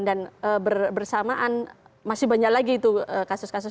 dan bersamaan masih banyak lagi itu kasus kasus